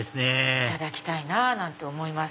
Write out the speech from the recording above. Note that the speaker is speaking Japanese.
いただきたいなぁなんて思います。